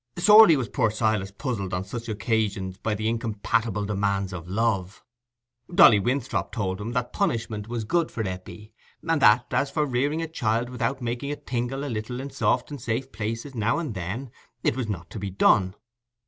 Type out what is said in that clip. Sorely was poor Silas puzzled on such occasions by the incompatible demands of love. Dolly Winthrop told him that punishment was good for Eppie, and that, as for rearing a child without making it tingle a little in soft and safe places now and then, it was not to be done.